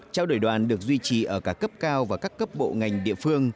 trao đổi đoàn được duy trì ở cả cấp cao và các cấp bộ ngành địa phương